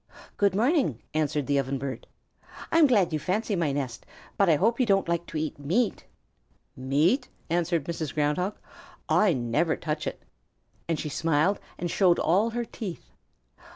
"Good morning," answered the Ovenbird. "I'm glad you fancy my nest, but I hope you don't like to eat meat." "Meat?" answered Mrs. Ground Hog. "I never touch it." And she smiled and showed all her teeth.